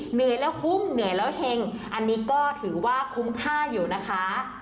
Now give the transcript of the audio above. เหนื่อยแล้วคุ้มเหนื่อยแล้วเห็งอันนี้ก็ถือว่าคุ้มค่าอยู่นะคะ